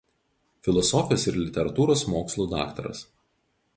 Filosofijos ir literatūros mokslų daktaras.